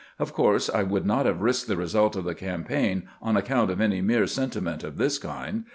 Of course I would not have risked the result of the campaign on account of any mere sen timent of this kind.